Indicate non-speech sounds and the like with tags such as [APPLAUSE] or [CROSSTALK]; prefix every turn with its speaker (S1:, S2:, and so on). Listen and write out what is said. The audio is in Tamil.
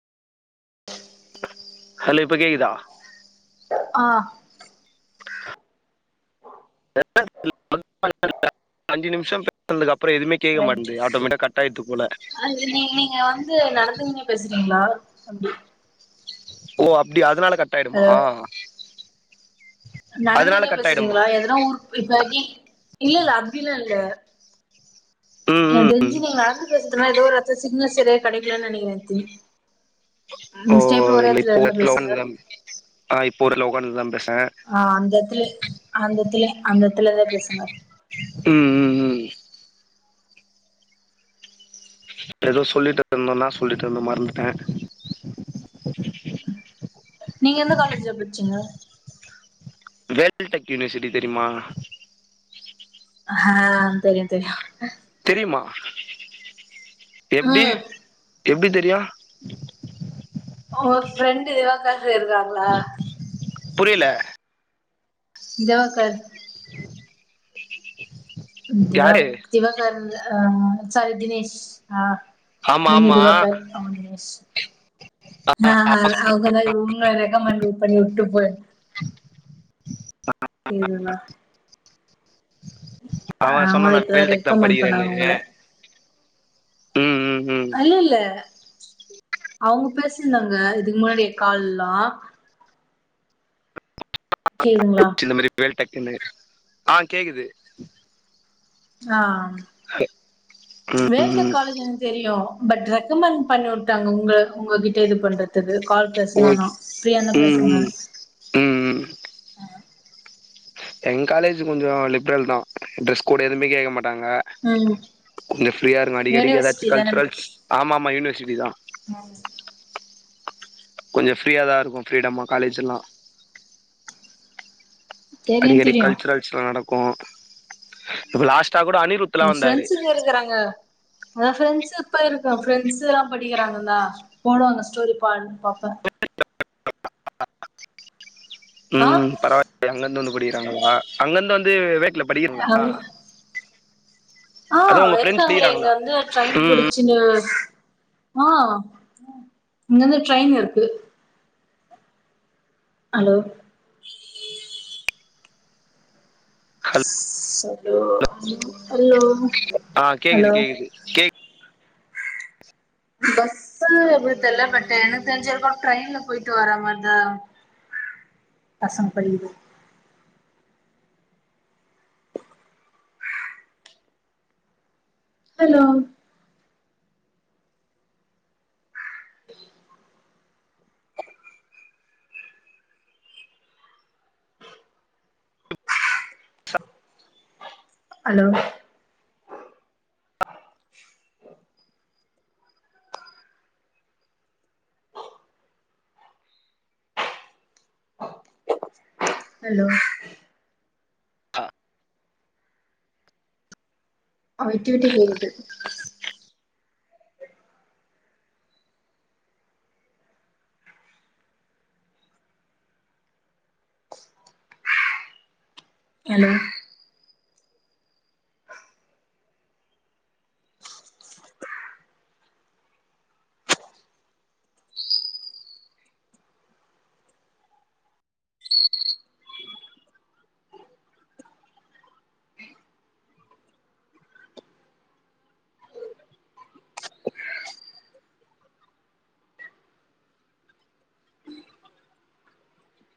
S1: உம
S2: ஹலோ இப்ப கேக்குதா
S1: ஆ
S2: [INAUDIBLE] அஞ்சு நிமிஷம் ட்னதுக் அப்புறோ எதுவுமே கேக்க மாட்டுது ஆட்டோமேட்டிக் ஆ கட் ஆயிட்து போல
S1: இ நீ நீங்க வந்து நடந்துங்ன்னே பேசுறீங்களா அப்டி
S2: ஓ அப்டி அதனால கட்டாயிடுமா
S1: நடந்துனே பேசுறீங்களா எதனா ஊர் இப்ப நீ இல்ல இல்ல அப்டில்லா இல்ல
S2: ம் ம்,
S1: எனக்கு தெஞ்சு
S2: ம்
S1: நீங்க நடந்து பேசுதுனால ஏதோ ஒரு எடத்துல சிக்னல் சரே கெடைக்கலன் நெனைக்கிறேன் தி
S2: ஓ
S1: நெக்ஸ்ட் டைம் ஒரே
S2: இல்ல
S1: இடத்துல
S2: இப்போ
S1: இருந்து பேசுங்க
S2: உட்காந்துதான் ஆ இப்ப ஒரு [UNINTELLIGIBLE] தா பேசே
S1: ஆ அந்தத்தில அந்தத்துல அந்தத்திலந்தே பேசுங்க
S2: ம் ம் ம் எதோ சொல்லிட்ருந்தோ நா சொல்லிட்ருந்தோம் மறந்துட்டே
S1: நீங்க எந்த காலேஜ்ல பச்சீங்க
S2: வேல்டெக் யூனிவர்சிட்டி தெரிமா
S1: ஆ தெரியு தெரியு
S2: தெரியுமா எப்டி
S1: ம்
S2: எப்டி தெரியும்
S1: ஓ ஃப்ரெண்டு தேவக்காச இருக்காங்க
S2: புரியல
S1: தெவாக்கர் திவ
S2: யாரு
S1: திவக்கர் அ சரி தினேஷ் ஆ
S2: ஆமா
S1: நீங்க
S2: ஆமா
S1: இது பார்க்க ஆவ்னேஷ் ஆ ஆ அவுங்கதா இவுங்கள ரெகமண்ட பண்ணி வுட்டு போயிட் எதுன்னா
S2: அவ
S1: அவங்க
S2: சொன்னானா
S1: இப்பதா
S2: வேல்டெக் தா
S1: ரெக்கமெண்ட்
S2: படிக்கிறேன்னு
S1: பண்ணாங்க உங்கள
S2: ம் ம் ம்
S1: இல்ல இல்ல அவுங்க பேசிருந்தாங்க இதுக்கு முன்னாடிய கால்லாம் கேகுதுங்ளா
S2: இந்த மாரி வேல் டக்குன்னு ஆ கேக்குது
S1: ஆ
S2: ஹ
S1: வேல் டெக் காலேஜ் எனக்கு தெரியு பட் ரெக்கமெண்ட் பண்ணி வுட்டாங்க உங்க உங்ககிட்ட இது பண்றதுக்கு கால் பேசனும்னா
S2: ஓகே
S1: ஃப்ரீயா இருந்தா பேசுங்க
S2: ம் ம் ம் எ காலேஜ் கொஞ்சம் லிபரல் தான் ட்ரெஸ் கோடு எதுவுமே கேக்க மாட்டாங்க
S1: ம்
S2: கொஞ்ச ஃப்ரீயா இருக்கூ அடிக்கடி
S1: யூனிவர்சிட்டி
S2: ஏதாச்சு கல்ச்சுரல்ஸ் ஆமா ஆமா யூனிவர்சிட்டி தா
S1: ம்
S2: கொஞ்ச ஃப்ரீயா தா இருக்கூ ஃப்ரீடமா காலேஜ் எல்லா
S1: தெரியு
S2: அடிக்கடி
S1: தெரியு
S2: கல்ச்சுரல்ஸ்லா நடக்கூ இப்ப லாஸ்டா கூட அனிரூத்
S1: என் ஃப்ரெண்ட்ஸுங்க இருகுறாங்க அதா ஃப்ரெண்ட்ஸு இப்ப இருக்கும் ஃரெண்ட்ஸு எல்லாம் படிக்கிறாங்க தான் போடுவாங்க ஸ்டோரி பானு பாப்பே
S2: [INAUDIBLE]
S1: ஆ
S2: ம் பரவால்ல அங்கந்து வந்து படிகிறாங்களா அங்கந்து வந்து வேட்டுல படிகிறிங்களா
S1: ஆ இருக்காங்களே இங்க வந்து ட்ரெயின்
S2: ம் ம்
S1: புடிச் இங்க ஆ இங்கந்து ட்ரெயின் இருக்கு அலோ
S2: ஹலோ
S1: ஹலோ ஹலோ
S2: கே
S1: பஸ்ஸா எப்டி தெர்ல பட்டு எனக்கு தெரிஞ்சு ஹெல்பாப் ட்ரெயின்ல போய்ட்டு வர மாரிதா பசங் படிக்கிது ஹலோ அலோ ஹலோ
S2: அ
S1: அ விட்டுவிட்டு கேக்து ஹலோ